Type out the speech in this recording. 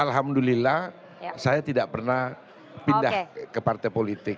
alhamdulillah saya tidak pernah pindah ke partai politik